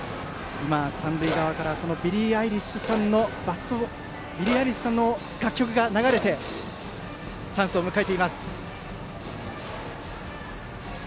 三塁側からビリー・アイリッシュさんの楽曲が流れてチャンスを迎えています。